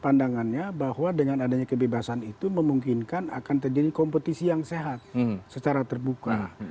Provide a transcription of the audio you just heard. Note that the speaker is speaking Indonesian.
pandangannya bahwa dengan adanya kebebasan itu memungkinkan akan terjadi kompetisi yang sehat secara terbuka